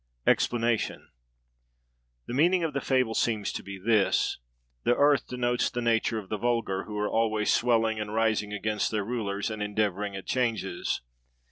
EXPLANATION.—The meaning of the fable seems to be this: the earth denotes the nature of the vulgar, who are always swelling, and rising against their rulers, and endeavoring at changes.